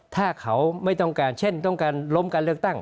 ถ้าเขาไม่ต้องการเช่นต้องการล้มการเลือกตั้ง